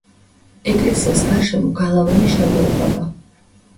ეკლესიას გარშემო გალავანი შემოუყვება.